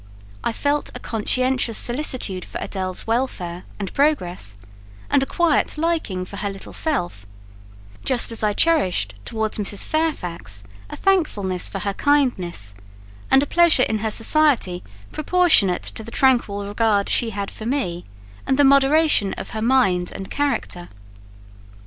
I felt a conscientious solicitude for Adèle's welfare and progress, and a quiet liking for her little self: just as I cherished towards Mrs. Fairfax a thankfulness for her kindness, and a pleasure in her society proportionate to the tranquil regard she had for me, and the moderation of her mind and character.